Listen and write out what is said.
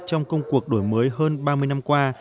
trong công cuộc đổi mới hơn ba mươi năm qua